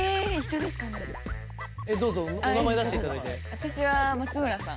私は松村さん。